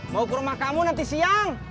mau ke rumah kamu nanti siang